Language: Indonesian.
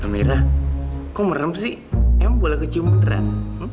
amira kok merem sih emang boleh aku cium beneran